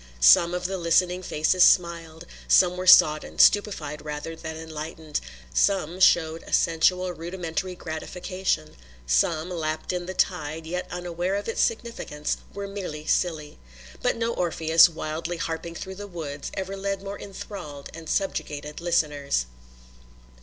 Some of the listening faces smiled; some were sodden, stupefied rather than enlightened; some showed a sensual rudimentary gratification; some, lapped in the tide, yet unaware of its significance, were merely silly. But no Orpheus, wildly harping through the woods, ever led more enthralled and subjugated listeners.